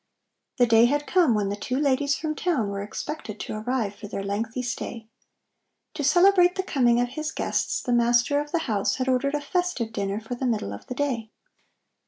The day had come when the two ladies from town were expected to arrive for their lengthy stay. To celebrate the coming of his guests, the master of the house had ordered a festive dinner for the middle of the day.